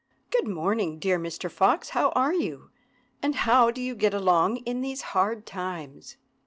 "Good morning, dear Mr. Fox! how are you, and how do you get along in these hard times?"